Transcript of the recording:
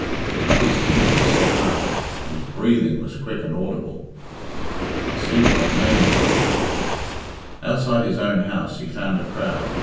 But his teeth were set hard, and his breathing was quick and audible. "I see what they mane," he muttered. Outside his own house he found a crowd.